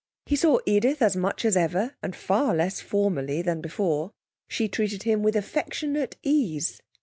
He saw Edith as much as ever, and far less formally than before. She treated him with affectionate ease.